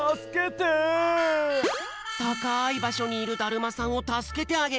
たかいばしょにいるだるまさんをたすけてあげよう。